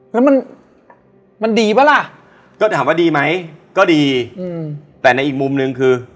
แล้วมันมันดีป่ะล่ะก็ถามว่าดีไหมก็ดีอืมแต่ในอีกมุมหนึ่งคือ